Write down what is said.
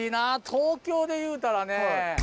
東京でいうたらね。